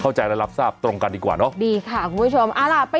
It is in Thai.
เข้าใจและรับทราบตรงกันดีกว่าเนอะดีค่ะคุณผู้ชมเอาล่ะไป